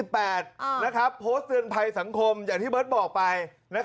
โพสต์สะปันสังคมอย่างที่เบิร์ตบอกไป